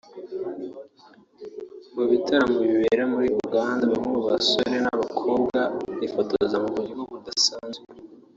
Mu bitaramo bibera muri Uganda bamwe mu basore n’ abakobwa bifotoza mu buryo budasanzwe